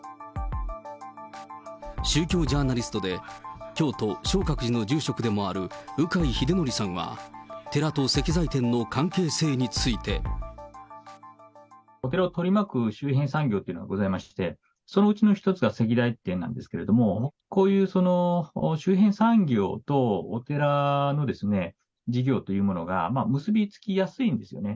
宗教ジャーナリストで、京都・正覚寺の住職でもある鵜飼秀徳さんは、寺と石材店の関係性お寺を取り巻く周辺産業というのがございまして、そのうちの１つが石材店なんですけれども、こういう周辺産業とお寺のですね、事業というものが、結び付きやすいんですよね。